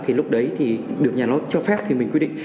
thì lúc đấy thì được nhà nước cho phép thì mình quy định